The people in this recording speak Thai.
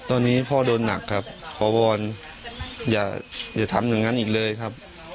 ตอนนี้พ่อโดนหนักครับขอวอนอย่าทำอย่างนั้นอีกเลยครับ